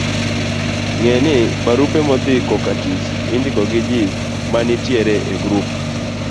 Ng'e ni, barupe modhi kokatich indiko gi ji manitiere e grup